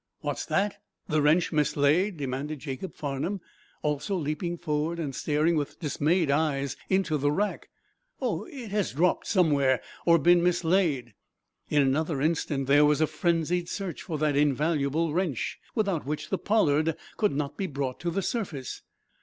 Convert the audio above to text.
"What's that? The wrench mislaid?" demanded Jacob Farnum, also leaping forward and staring with dismayed eyes into the rack. "Oh, it has dropped somewhere or been mislaid." In another instant there was a frenzied search for that invaluable wrench, without which the "Pollard" could not be brought to the surface.